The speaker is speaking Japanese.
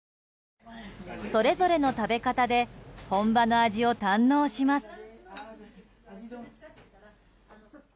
それぞれの食べ方で本場の味を堪能します。